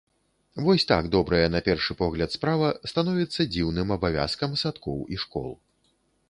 Вось так добрая на першы погляд справа становіцца дзіўным абавязкам садкоў і школ.